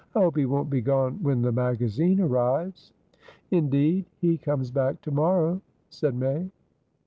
"I hope he won't be gone when the magazine arrives." "Indeed? He comes back to morrow?" said May.